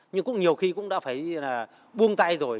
nhưng cũng nhiều khi cũng đã phải là buông tay rồi